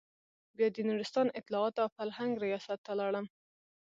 بيا د نورستان اطلاعاتو او فرهنګ رياست ته لاړم.